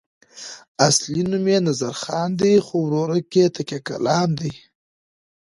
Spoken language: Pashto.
اصلي نوم یې نظرخان دی خو ورورک یې تکیه کلام دی.